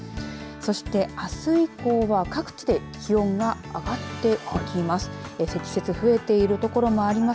そして、あす以降は各地で気温が上がっていきます。